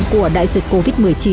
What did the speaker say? của đại dịch covid một mươi chín